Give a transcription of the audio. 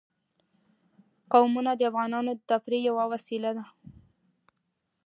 قومونه د افغانانو د تفریح یوه وسیله ده.